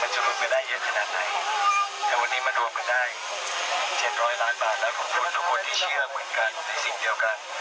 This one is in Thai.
เชื่อเหมือนกันในสิ่งเดียวกัน